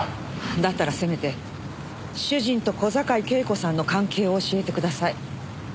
だったらせめて主人と小坂井恵子さんの関係を教えてください。